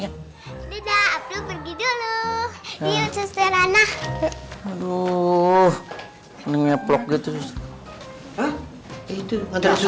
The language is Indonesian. ya udah pergi dulu iya suster anak aduh ini ngeplok gitu itu ada susternya kamu